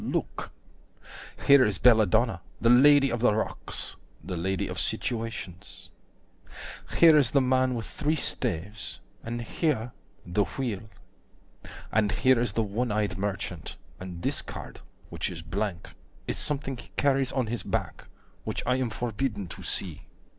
Look!) Here is Belladonna, the Lady of the Rocks, The lady of situations. 50 Here is the man with three staves, and here the Wheel, And here is the one eyed merchant, and this card, Which is blank, is something he carries on his back, Which I am forbidden to see.